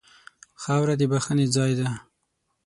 خاوره د بښنې ځای ده.